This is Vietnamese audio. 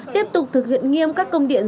tiếp tục thực hiện nghiêm các công điện